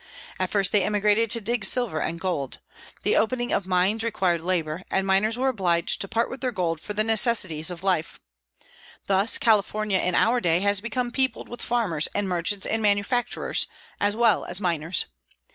At first they emigrated to dig silver and gold. The opening of mines required labor, and miners were obliged to part with their gold for the necessaries of life. Thus California in our day has become peopled with farmers and merchants and manufacturers, as well as miners.